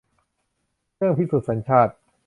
เรื่องพิสูจน์สัญชาติ